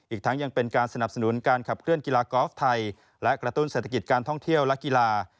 อีกทั้งยังเป็นการสนับสนุนการขับเคลื่อนกีฬากอล์ฟไทยและกระตุ้นเศรษฐกิจการท่องเที่ยวและกีฬา